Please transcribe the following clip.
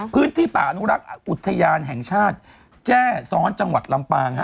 พื้นที่ป่าอนุรักษ์อุทยานแห่งชาติแจ้ซ้อนจังหวัดลำปาง